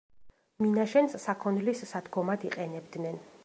მინაშენს საქონლის სადგომად იყენებდნენ.